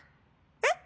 えっ？